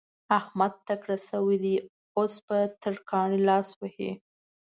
احمد تکړه شوی دی؛ اوس په ترکاڼي لاس وهي.